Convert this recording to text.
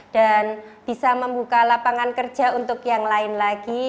dan bisa membuka lapangan kerja untuk yang lain lagi